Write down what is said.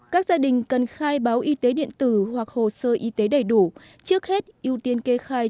các gia đình cần khai báo y tế điện tử hoặc hồ sơ y tế đầy đủ trước hết ưu tiên kê khai